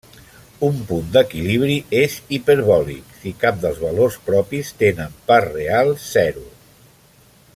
Un punt d'equilibri és hiperbòlic si cap dels valors propis tenen part real zero.